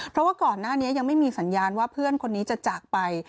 เพราะว่าก่อนหน้านี้ยังไม่มีสัญญาณว่าเพื่อนคนนี้จะจากไป